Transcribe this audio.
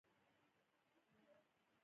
یو اویایم سوال د منابعو په اړه دی.